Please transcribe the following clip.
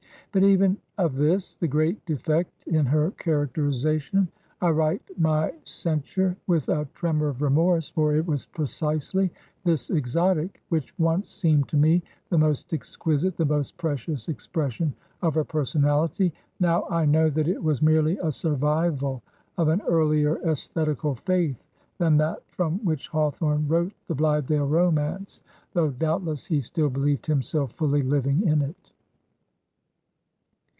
But even of this, the great defect in her characterization, I write my censure with a tremor of remorse, for it was precisely this exotic which once seemed to me the most exquisite, the most precious ex ^ pression x)f her personality. Now I know that it was merely a survival of an earlier aesthetical faith than that from which Hawthorne wrote "The Blithedale Romance," though doubtless he still believed himself fully living in it.